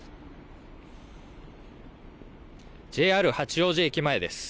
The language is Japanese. ＪＲ八王子駅前です。